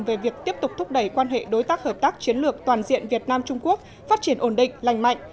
về việc tiếp tục thúc đẩy quan hệ đối tác hợp tác chiến lược toàn diện việt nam trung quốc phát triển ổn định lành mạnh